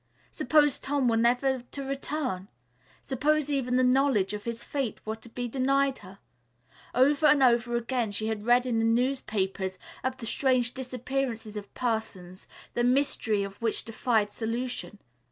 Suppose Tom were never to return? Suppose even the knowledge of his fate were to be denied her? Over and over again she had read in the newspapers of the strange disappearances of persons, the mystery of which defied solution.